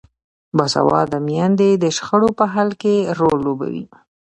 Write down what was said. باسواده میندې د شخړو په حل کې رول لوبوي.